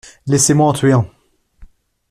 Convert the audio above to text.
Laissez-moi en tuer un!